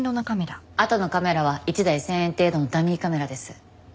あとのカメラは一台１０００円程度のダミーカメラです。